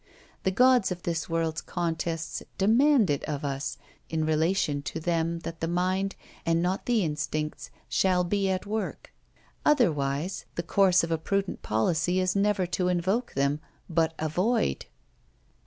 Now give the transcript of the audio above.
The Gods of this world's contests demand it of us, in relation to them, that the mind, and not the instincts, shall be at work. Otherwise the course of a prudent policy is never to invoke them, but avoid.